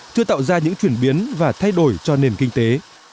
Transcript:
chưa tạo ra những chuyển biến và thay đổi cho nền kinh tế